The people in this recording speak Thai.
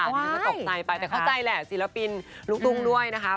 โอ้โหไม่ตกใจไปแต่เข้าใจแหละศิลปินลุกตุ้งด้วยนะคะ